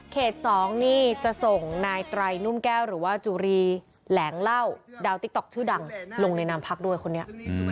๒นี่จะส่งนายไตรนุ่มแก้วหรือว่าจุรีแหลงเล่าดาวติ๊กต๊อกชื่อดังลงในนามพักด้วยคนนี้